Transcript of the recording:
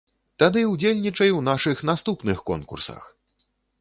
Тады удзельнічай у нашых наступных конкурсах!